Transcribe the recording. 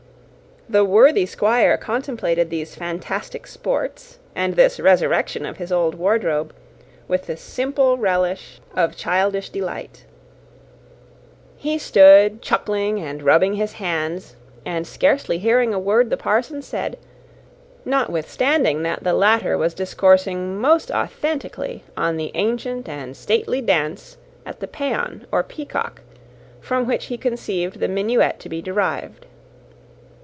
The worthy Squire contemplated these fantastic sports, and this resurrection of his old wardrobe, with the simple relish of childish delight. He stood chuckling and rubbing his hands, and scarcely hearing a word the parson said, notwithstanding that the latter was discoursing most authentically on the ancient and stately dance at the Paon, or Peacock, from which he conceived the minuet to be derived.